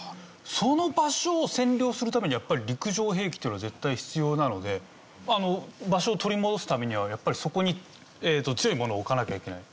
その場所を占領するためにやっぱり陸上兵器っていうのは絶対必要なので場所を取り戻すためにはやっぱりそこに強いものを置かなきゃいけない。